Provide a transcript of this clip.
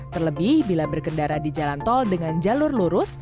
terlebih bila berkendara di jalan tol dengan jalur lurus